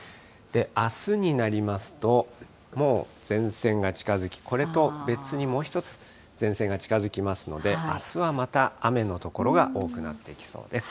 あすになりますと、もう前線が近づき、これと別にもう１つ、前線が近づきますので、あすはまた雨の所が多くなっていきそうです。